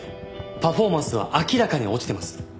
パフォーマンスは明らかに落ちてます。